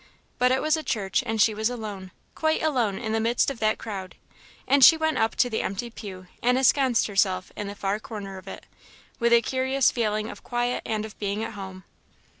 But it was a church, and she was alone, quite alone in the midst of that crowd; and she went up to the empty pew and ensconced herself in the far corner of it, with a curious feeling of quiet and of being at home.